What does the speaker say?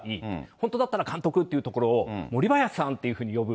本当だったら、監督って言うところを、森林さんっていうふうに呼ぶ。